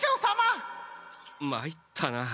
まいったな。